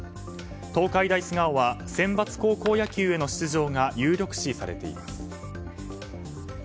東海大菅生はセンバツ高校野球への出場が有力視されています。